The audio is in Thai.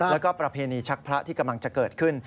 แล้วก็ประเพณีชักพระที่กำลังจะเกิดขึ้น